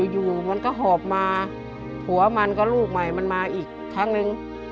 อยู่มันก็หอบมาผัวมันก็ลูกใหม่มันมาอีกครั้งนึง